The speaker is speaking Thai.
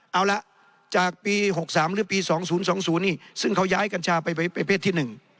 เอาละจากปี๖๓หรือปี๒๐๒๐นี่ซึ่งเขาย้ายกัญชาไปประเภทที่๑